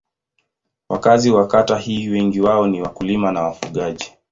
Wakazi wa kata hii wengi wao ni wakulima na wafugaji.